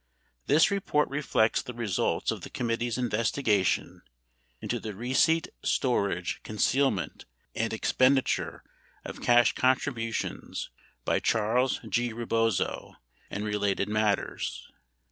This report reflects the results of the committee's investigation into the receipt, storage, concealment and expenditure of cash contributions by Charles G. Rebozo and related matters.